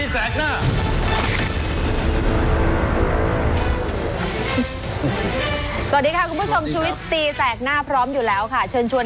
สวัสดีค่ะคุณผู้ชมชุวิตตีแสกหน้าพร้อมอยู่แล้วค่ะเชิญชวน